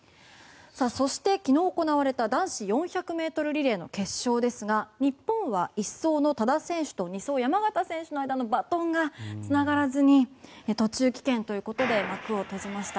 そして、昨日行われた男子４００ｍリレーの決勝ですが日本は１走の多田選手と２走、山縣選手の間のバトンがつながらずに途中棄権ということで幕を閉じました。